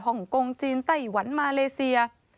ฮ่องกงจีนไต้หวันมาเลเซีย